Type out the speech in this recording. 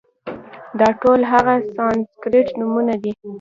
دا ټول هغه سانسکریت نومونه دي،